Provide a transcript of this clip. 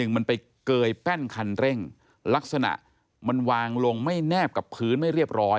มันไปเกยแป้นคันเร่งลักษณะมันวางลงไม่แนบกับพื้นไม่เรียบร้อย